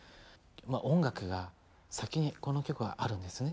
まあ音楽が先にこの曲はあるんですね。